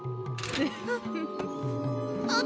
あ。